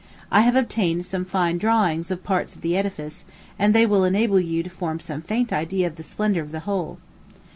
I have obtained some fine drawings of parts of the edifice, and they will enable you to form some faint idea of the splendor of the whole.